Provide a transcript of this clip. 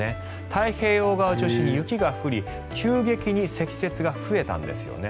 太平洋側を中心に雪が降り急激に積雪が増えたんですよね。